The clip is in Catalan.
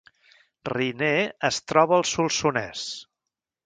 Riner es troba al Solsonès